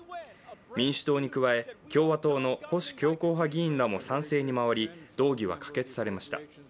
民主党に加え、共和党の保守強硬派議員らも賛成に回り、動議は可決されました。